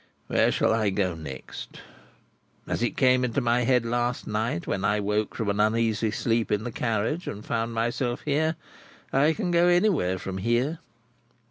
Where shall I go next? As it came into my head last night when I woke from an uneasy sleep in the carriage and found myself here, I can go anywhere from here.